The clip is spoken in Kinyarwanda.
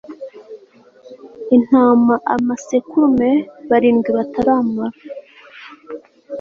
intama amasekurume barindwi bataramara